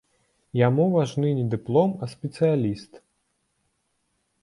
Яму важны не дыплом, а спецыяліст.